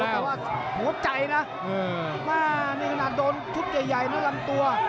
อ้าวนี่นาโดนชุบใหญ่ใยนะเรนด้านตัว